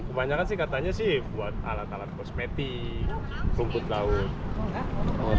kebanyakan sih katanya buat alat alat kosmetik rumput laut